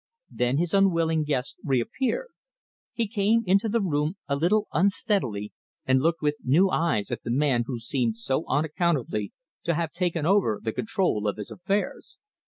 Then his unwilling guest reappeared. He came into the room a little unsteadily and looked with new eyes at the man who seemed so unaccountably to have taken over the control of his affairs.